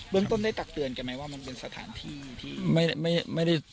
เรื่องต้นได้ตักเตือนกันไหมว่ามันเป็นสถานที่ที่ไม่ได้